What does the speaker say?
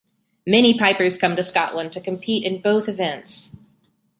Many pipers come to Scotland to compete in both events.